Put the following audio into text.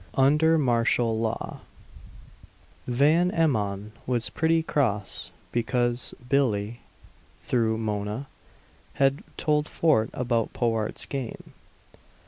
XIV UNDER MARTIAL LAW Van Emmon was pretty cross because Billie, through Mona, had told Fort about Powart's game.